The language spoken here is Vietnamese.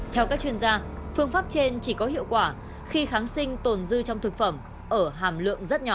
theo các chuyên gia phương pháp trên chỉ có hiệu quả khi kháng sinh tồn dư trong thực phẩm ở hàm lượng rất nhỏ